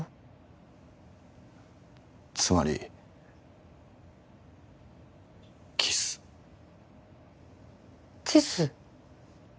つまりキスキス？